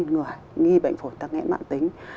bốn người nghi bệnh phổi tắc nhém mạng tính